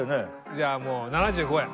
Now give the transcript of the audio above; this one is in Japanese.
じゃあもう７５円。